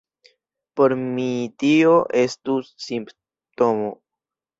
Por mi tio estus simptomo!